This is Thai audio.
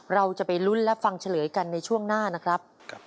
เราจะไปลุ้นและฟังเฉลยกันในช่วงหน้านะครับ